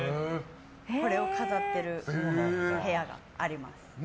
これを飾ってる部屋があります。